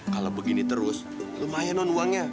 kalau begini terus lumayan non uangnya